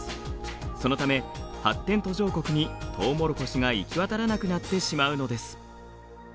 そのため発展途上国にトウモロコシが行き渡らなくなってしまうのです。